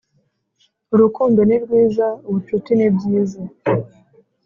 urukundo ni rwiza, ubucuti nibyiza.